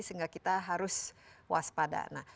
sehingga kita harus waspada